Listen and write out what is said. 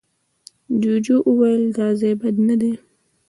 جوجو وويل، دا ځای بد نه دی.